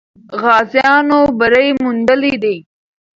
غازیانو بری موندلی دی.